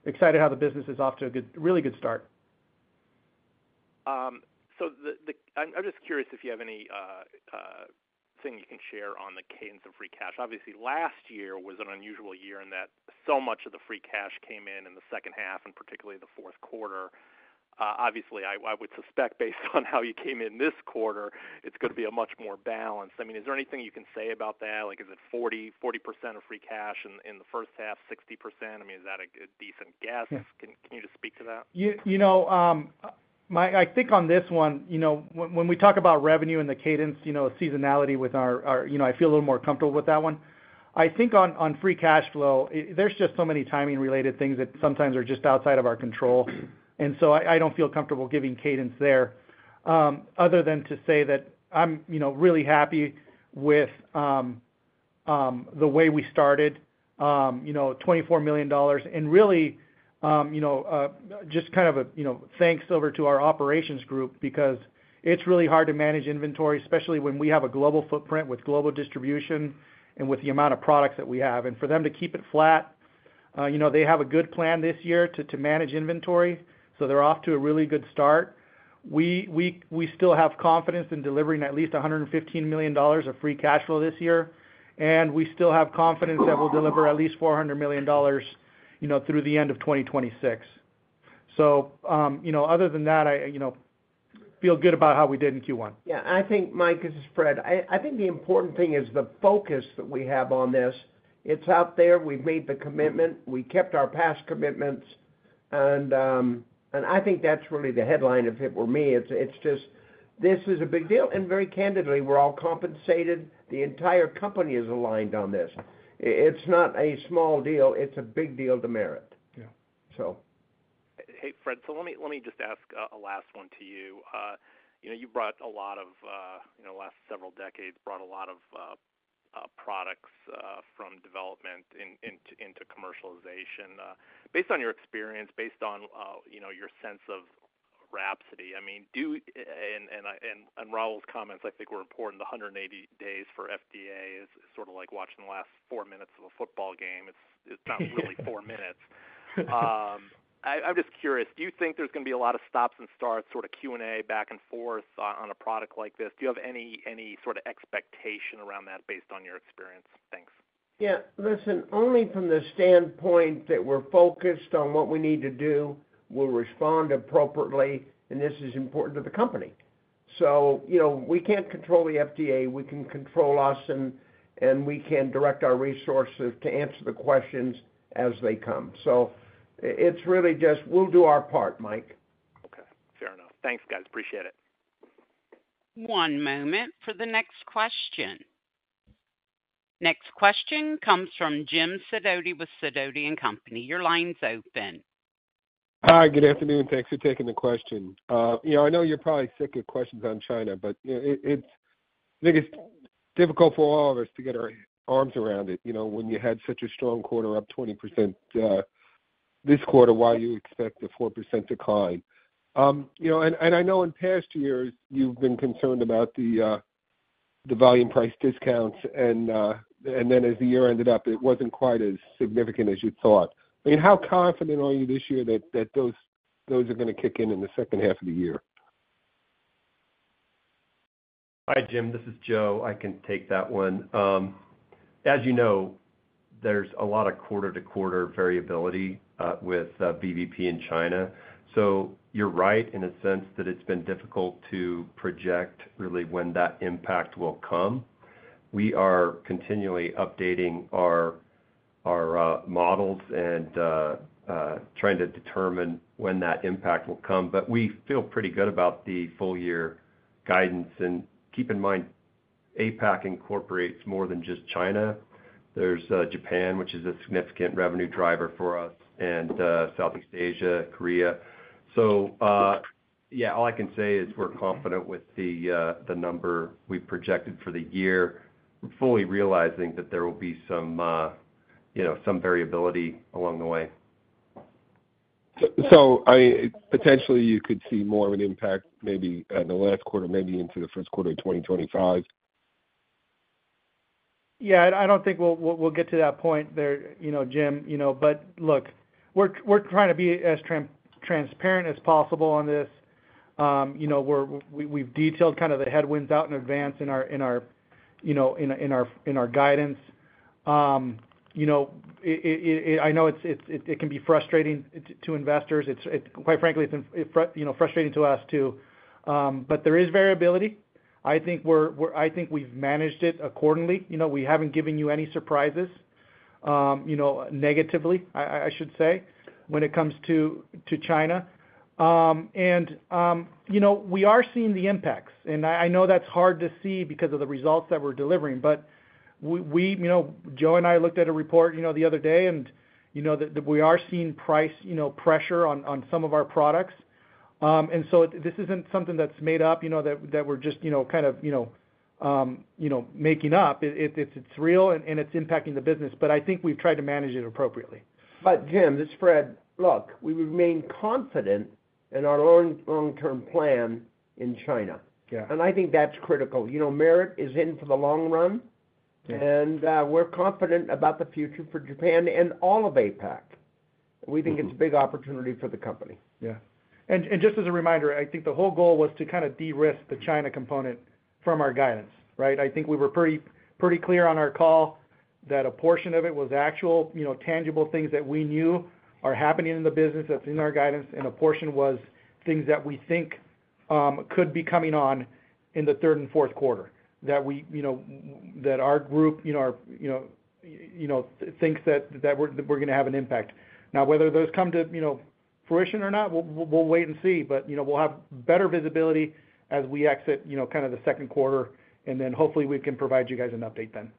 excited how the business is off to a really good start. So I'm just curious if you have anything you can share on the cadence of free cash. Obviously, last year was an unusual year in that so much of the free cash came in in the second half and particularly the fourth quarter. Obviously, I would suspect based on how you came in this quarter, it's going to be a much more balanced. I mean, is there anything you can say about that? Is it 40% of free cash in the first half, 60%? I mean, is that a decent guess? Can you just speak to that? Mike, I think on this one, when we talk about revenue and the cadence, seasonality with our—I feel a little more comfortable with that one. I think on free cash flow, there's just so many timing-related things that sometimes are just outside of our control. So I don't feel comfortable giving cadence there other than to say that I'm really happy with the way we started, $24 million, and really just kind of a thanks over to our operations group because it's really hard to manage inventory, especially when we have a global footprint with global distribution and with the amount of products that we have. For them to keep it flat, they have a good plan this year to manage inventory, so they're off to a really good start. We still have confidence in delivering at least $115 million of free cash flow this year, and we still have confidence that we'll deliver at least $400 million through the end of 2026. So other than that, I feel good about how we did in Q1. Yeah. And I think, Mike, this is Fred. I think the important thing is the focus that we have on this. It's out there. We've made the commitment. We kept our past commitments. And I think that's really the headline. If it were me, it's just this is a big deal. And very candidly, we're all compensated. The entire company is aligned on this. It's not a small deal. It's a big deal to Merit, so. Hey, Fred, so let me just ask a last one to you. You brought a lot of the last several decades, brought a lot of products from development into commercialization. Based on your experience, based on your sense of WRAPSODY, I mean, Joe and Raul's comments, I think, were important. The 180 days for FDA is sort of like watching the last four minutes of a football game. It's not really four minutes. I'm just curious, do you think there's going to be a lot of stops and starts, sort of Q&A back and forth on a product like this? Do you have any sort of expectation around that based on your experience? Thanks. Yeah. Listen, only from the standpoint that we're focused on what we need to do, we'll respond appropriately, and this is important to the company. We can't control the FDA. We can control us, and we can direct our resources to answer the questions as they come. It's really just we'll do our part, Mike. Okay. Fair enough. Thanks, guys. Appreciate it. One moment for the next question. Next question comes from Jim Sidoti with Sidoti & Company. Your line's open. Hi. Good afternoon. Thanks for taking the question. I know you're probably sick of questions on China, but I think it's difficult for all of us to get our arms around it when you had such a strong quarter, up 20% this quarter. Why do you expect the 4% to climb? And I know in past years, you've been concerned about the volume price discounts, and then as the year ended up, it wasn't quite as significant as you thought. I mean, how confident are you this year that those are going to kick in in the second half of the year? Hi, Jim. This is Joe. I can take that one. As you know, there's a lot of quarter-to-quarter variability with VBP in China. So you're right in a sense that it's been difficult to project really when that impact will come. We are continually updating our models and trying to determine when that impact will come, but we feel pretty good about the full-year guidance. And keep in mind, APAC incorporates more than just China. There's Japan, which is a significant revenue driver for us, and Southeast Asia, Korea. So yeah, all I can say is we're confident with the number we projected for the year, fully realizing that there will be some variability along the way. Potentially, you could see more of an impact maybe in the last quarter, maybe into the first quarter of 2025? Yeah. I don't think we'll get to that point there, Jim, but look, we're trying to be as transparent as possible on this. We've detailed kind of the headwinds out in advance in our guidance. I know it can be frustrating to investors. Quite frankly, it's frustrating to us too. But there is variability. I think we've managed it accordingly. We haven't given you any surprises negatively, I should say, when it comes to China. And we are seeing the impacts. And I know that's hard to see because of the results that we're delivering, but Joe and I looked at a report the other day, and we are seeing price pressure on some of our products. And so this isn't something that's made up, that we're just kind of making up. It's real, and it's impacting the business. But I think we've tried to manage it appropriately. But Jim, this is Fred. Look, we remain confident in our long-term plan in China, and I think that's critical. Merit is in for the long run, and we're confident about the future for Japan and all of APAC. We think it's a big opportunity for the company. Yeah. And just as a reminder, I think the whole goal was to kind of de-risk the China component from our guidance, right? I think we were pretty clear on our call that a portion of it was actual, tangible things that we knew are happening in the business that's in our guidance, and a portion was things that we think could be coming on in the third and fourth quarter, that our group thinks that we're going to have an impact. Now, whether those come to fruition or not, we'll wait and see, but we'll have better visibility as we exit kind of the second quarter, and then hopefully, we can provide you guys an update then.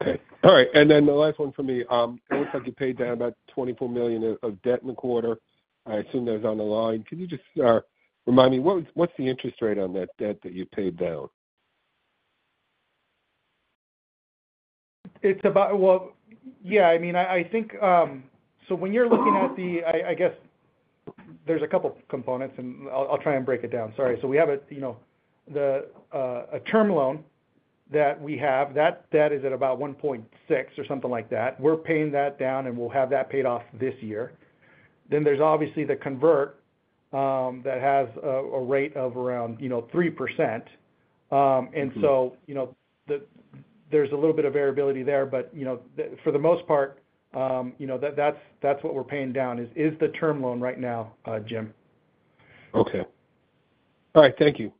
Okay. All right. And then the last one from me. It looks like you paid down about $24 million of debt in the quarter. I assume that was on the line. Can you just remind me, what's the interest rate on that debt that you paid down? Well, yeah, I mean, I think so when you're looking at the, I guess, there's a couple of components, and I'll try and break it down. Sorry. So we have a term loan that we have. That debt is at about 1.6% or something like that. We're paying that down, and we'll have that paid off this year. Then there's obviously the convert that has a rate of around 3%. And so there's a little bit of variability there, but for the most part, that's what we're paying down. Is the term loan right now. Jim. Okay. All right. Thank you.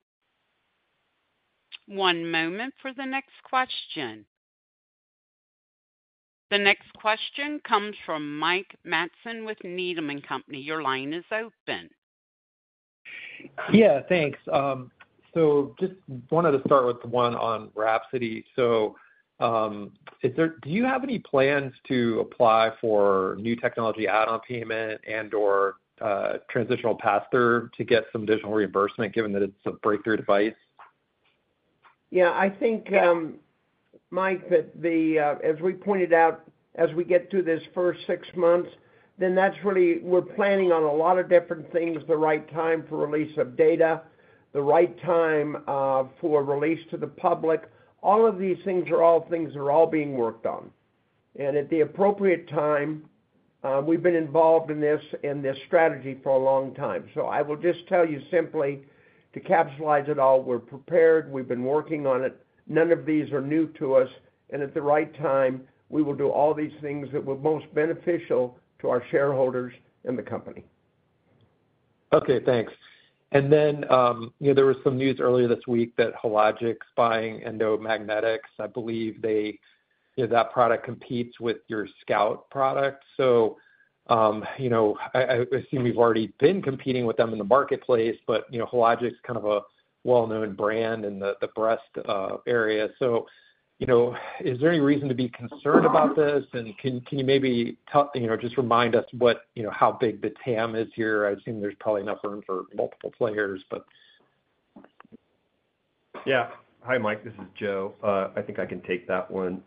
One moment for the next question. The next question comes from Mike Matson with Needham & Company. Your line is open. Yeah. Thanks. So just wanted to start with the one on WRAPSODY. So do you have any plans to apply for new technology add-on payment and/or transitional pass-through to get some additional reimbursement given that it's a breakthrough device? Yeah. I think, Mike, that as we pointed out, as we get through this first six months, then that's really we're planning on a lot of different things, the right time for release of data, the right time for release to the public. All of these things are all things that are all being worked on. And at the appropriate time, we've been involved in this strategy for a long time. So I will just tell you simply, to capitalize it all, we're prepared. We've been working on it. None of these are new to us. And at the right time, we will do all these things that were most beneficial to our shareholders and the company. Okay. Thanks. Then there was some news earlier this week that Hologic is buying Endomagnetics. I believe that product competes with your SCOUT product. So I assume we've already been competing with them in the marketplace, but Hologic is kind of a well-known brand in the breast area. So is there any reason to be concerned about this? And can you maybe just remind us how big the TAM is here? I assume there's probably enough room for multiple players, but. Yeah. Hi, Mike. This is Joe. I think I can take that one.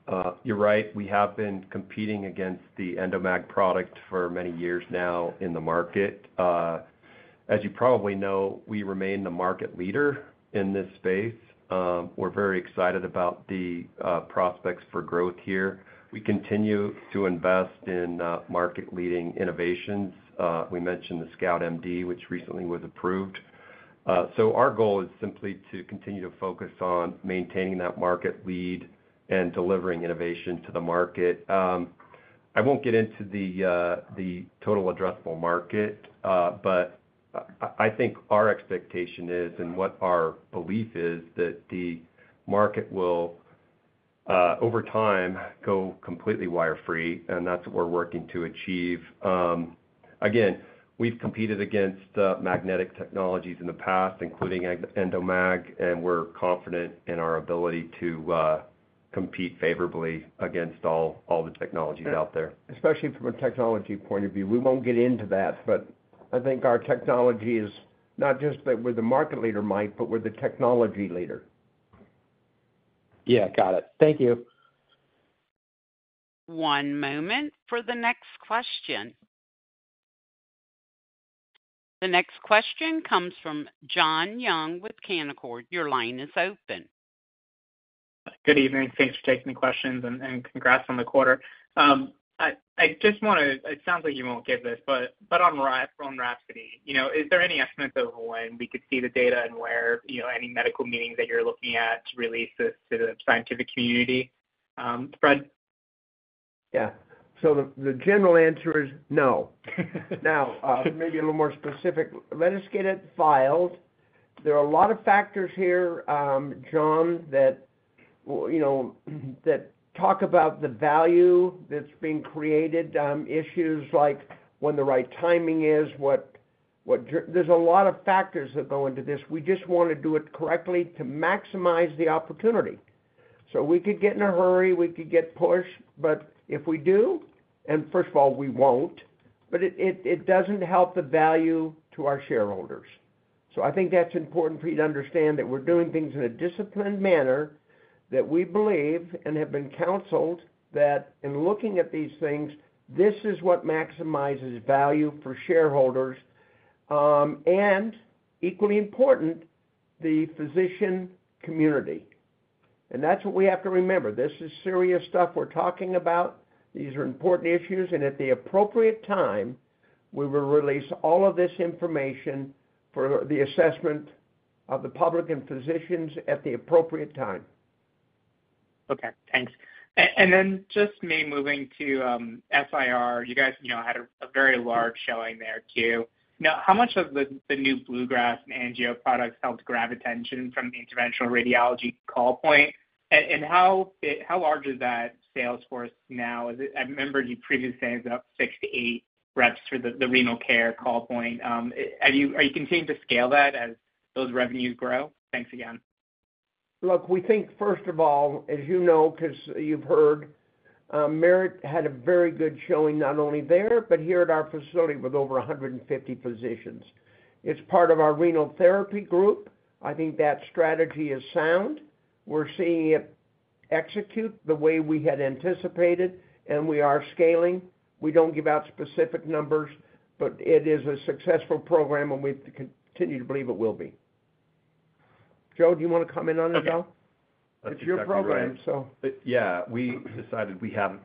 You're right. We have been competing against the Endomag product for many years now in the market. As you probably know, we remain the market leader in this space. We're very excited about the prospects for growth here. We continue to invest in market-leading innovations. We mentioned the SCOUT MD, which recently was approved. So our goal is simply to continue to focus on maintaining that market lead and delivering innovation to the market. I won't get into the total addressable market, but I think our expectation is and what our belief is that the market will, over time, go completely wire-free, and that's what we're working to achieve. Again, we've competed against magnetic technologies in the past, including Endomag, and we're confident in our ability to compete favorably against all the technologies out there. Especially from a technology point of view. We won't get into that, but I think our technology is not just that we're the market leader, Mike, but we're the technology leader. Yeah. Got it. Thank you. One moment for the next question. The next question comes from Jon Young with Canaccord. Your line is open. Good evening. Thanks for taking the questions, and congrats on the quarter. I just want to. It sounds like you won't give this, but on WRAPSODY, is there any estimates of when we could see the data and where, any medical meetings that you're looking at to release this to the scientific community? Fred? Yeah. So the general answer is no. Now, maybe a little more specific. Let us get it filed. There are a lot of factors here, Jon, that talk about the value that's being created, issues like when the right timing is, what there's a lot of factors that go into this. We just want to do it correctly to maximize the opportunity. So we could get in a hurry. We could get pushed. But if we do and first of all, we won't, but it doesn't help the value to our shareholders. So I think that's important for you to understand that we're doing things in a disciplined manner that we believe and have been counseled that in looking at these things, this is what maximizes value for shareholders and, equally important, the physician community. And that's what we have to remember. This is serious stuff we're talking about. These are important issues. At the appropriate time, we will release all of this information for the assessment of the public and physicians at the appropriate time. Okay. Thanks. Then let me move to SIR. You guys had a very large showing there too. Now, how much of the new Bluegrass and Angio products helped grab attention from the Interventional Radiology call point? And how large is that sales force now? I remember you previously saying it's about six to eight reps for the Renal Care call point. Are you continuing to scale that as those revenues grow? Thanks again. Look, we think, first of all, as you know because you've heard, Merit had a very good showing not only there but here at our facility with over 150 physicians. It's part of our renal therapy group. I think that strategy is sound. We're seeing it execute the way we had anticipated, and we are scaling. We don't give out specific numbers, but it is a successful program, and we continue to believe it will be. Joe, do you want to comment on it, though? It's your program, so. Yeah. We decided we have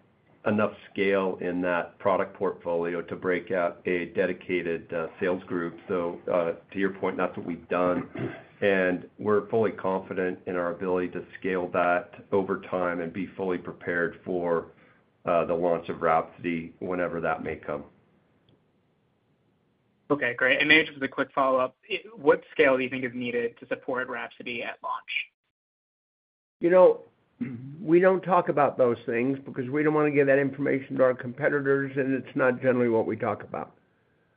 enough scale in that product portfolio to break out a dedicated sales group. So to your point, that's what we've done. And we're fully confident in our ability to scale that over time and be fully prepared for the launch of WRAPSODY whenever that may come. Okay. Great. Maybe just as a quick follow-up, what scale do you think is needed to support WRAPSODY at launch? We don't talk about those things because we don't want to give that information to our competitors, and it's not generally what we talk about.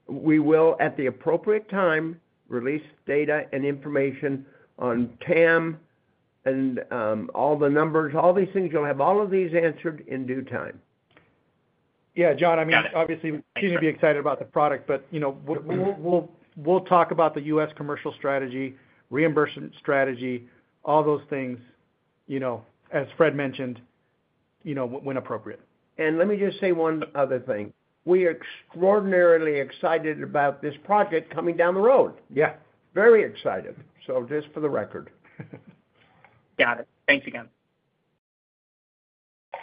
We will, at the appropriate time, release data and information on TAM and all the numbers. All these things, you'll have all of these answered in due time. Yeah. Jon, I mean, obviously, you seem to be excited about the product, but we'll talk about the U.S. commercial strategy, reimbursement strategy, all those things, as Fred mentioned, when appropriate. Let me just say one other thing. We are extraordinarily excited about this project coming down the road. Very excited, so just for the record. Got it. Thanks again.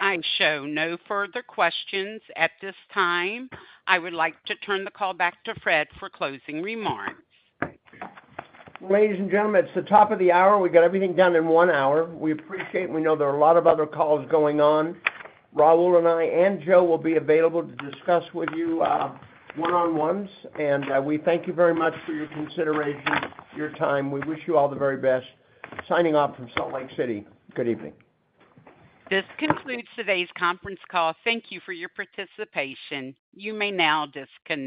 I show no further questions at this time. I would like to turn the call back to Fred for closing remarks. Ladies and gentlemen, it's the top of the hour. We got everything done in one hour. We appreciate it. We know there are a lot of other calls going on. Raul and I and Joe will be available to discuss with you one-on-ones. We thank you very much for your consideration, your time. We wish you all the very best. Signing off from Salt Lake City. Good evening. This concludes today's conference call. Thank you for your participation. You may now disconnect.